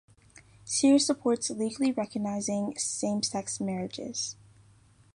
Sears supports legally recognizing same-sex marriages.